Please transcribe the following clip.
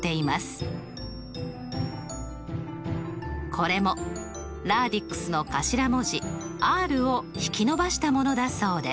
これもｒａｄｉｘの頭文字「ｒ」を引き伸ばしたものだそうです。